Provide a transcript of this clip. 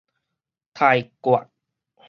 刣割